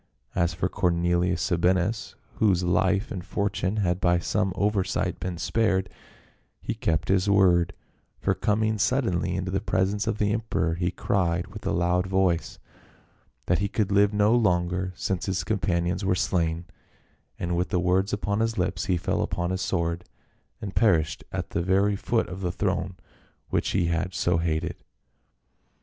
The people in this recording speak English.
As for Cornelius Sabinus, whose life and fortune had by some oversight been spared, he kept his word, for coming suddenly into the presence of the emperor, he cried with a loud voice, ' that he could live no longer since his companions were slain,' and with the words upon his lips, he fell upon his sword and perished at the very foot of the throne which he had so hated.